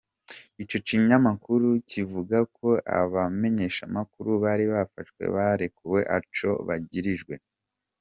Ico kinyamakuru kivuga ko abamenyeshamakuru bari bafashwe barekuwe ataco bagirijwe.